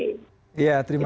itu aja sih pembelajarannya